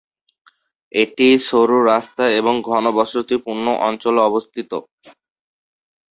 এটি সরু রাস্তা এবং ঘনবসতিপূর্ণ অঞ্চলে অবস্থিত।